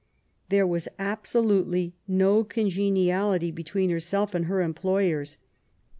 There was absolutely no congeniality between herself and her employers.